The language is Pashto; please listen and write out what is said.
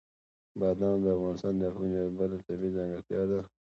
بادام د افغانستان د اقلیم یوه بله طبیعي ځانګړتیا ده.